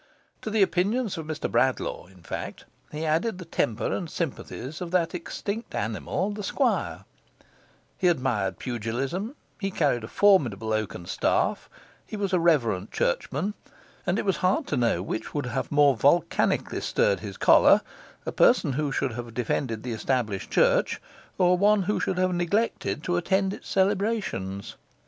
To the opinions of Mr Bradlaugh, in fact, he added the temper and the sympathies of that extinct animal, the Squire; he admired pugilism, he carried a formidable oaken staff, he was a reverent churchman, and it was hard to know which would have more volcanically stirred his choler a person who should have defended the established church, or one who should have neglected to attend its celebrations.